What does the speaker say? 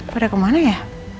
pada kemana ya